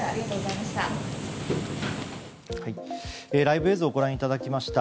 ライブ映像をご覧いただきました。